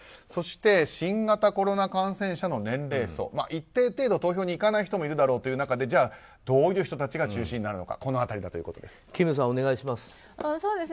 そして新型コロナ感染者の年齢層一定程度、投票に行かない人もいるだろうという中でじゃあ、どういう人たちが中心になるのか金さん、お願いします。